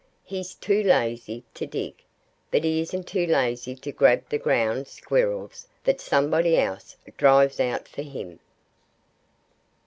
"He's too lazy to dig. But he isn't too lazy to grab the Ground Squirrels that somebody else drives out for him."